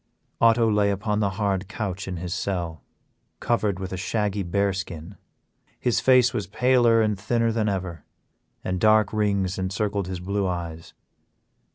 Otto lay upon the hard couch in his cell, covered with a shaggy bear skin. His face was paler and thinner than ever, and dark rings encircled his blue eyes.